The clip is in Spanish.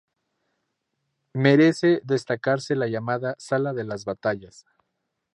Merece destacarse la llamada Sala de las Batallas.